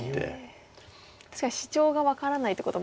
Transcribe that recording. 確かにシチョウが分からないってことも。